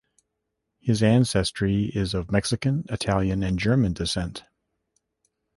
His ancestry is of Mexican, Italian and German descent.